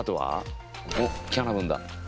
おっキャナブンだ。